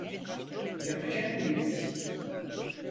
Yapacak mıyız?